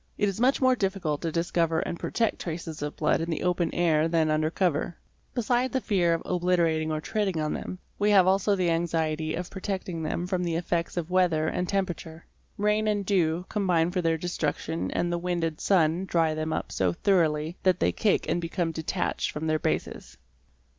It is much more difficult to discover and protect traces of blood in the open air than under cover. Besides the fear of obliterating or treading on them, we have also the anxiety of protecting them from the effects of weather and temperature. Rain and dew combine for their destruction and the wind and sun dry them up so thoroughly that they cake and become detached from their bases.